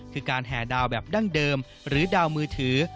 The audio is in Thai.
คือการแห่ดาวแบบดั้งเดิมหรือดาวมือถือ